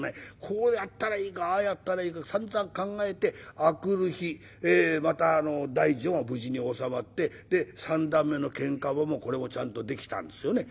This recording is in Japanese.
こうやったらいいかああやったらいいかさんざん考えて明くる日また大序は無事に収まってで三段目の喧嘩場もこれもちゃんとできたんですよね。